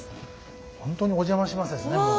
本当にお邪魔しますですねもう。